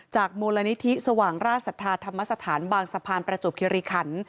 มูลนิธิสว่างราชศรัทธาธรรมสถานบางสะพานประจวบคิริขัน